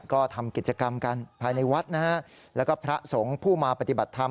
ก็ทำกิจกรรมกันภายในวัดนะฮะแล้วก็พระสงฆ์ผู้มาปฏิบัติธรรม